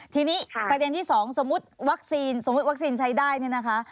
ทีนี้ประเด็นที่๒สมมุติวัคซีนสมมุติวัคซีนใช้ได้เนี่ยนะคะ